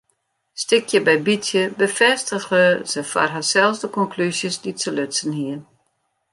Stikje by bytsje befêstige se foar harsels de konklúzjes dy't se lutsen hie.